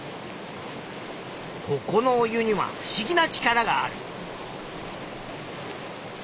ここのお湯にはふしぎな力がある。